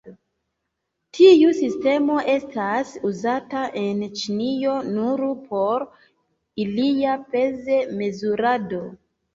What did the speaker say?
Tiu sistemo estas uzata en Ĉinio nur por ilia pez-mezurado.